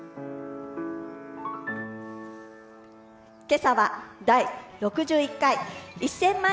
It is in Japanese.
けさは「第６１回１０００万